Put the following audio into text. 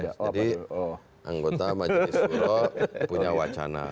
jadi anggota majelis suro punya wacana